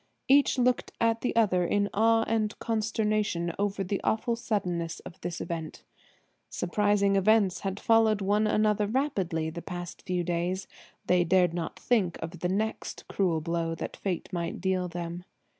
Each looked at the other in awe and consternation over the awful suddenness of this event. Surprising events had followed one another rapidly the past few days. They dared not think of the next cruel blow that Fate might deal them.